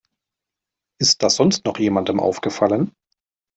Ist das sonst noch jemandem aufgefallen?